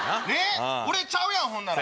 俺ちゃうやんほんなら。